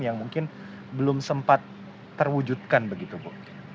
yang mungkin belum sempat terwujudkan begitu bu